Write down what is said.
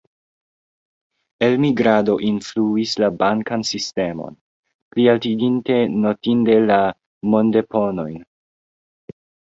Elmigrado influis la bankan sistemon, plialtiginte notinde la mondeponojn.